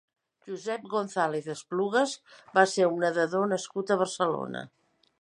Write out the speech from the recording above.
Josep González Esplugues va ser un nedador nascut a Barcelona.